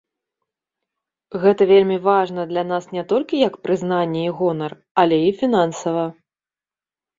Гэта вельмі важна для нас не толькі як прызнанне і гонар, але і фінансава.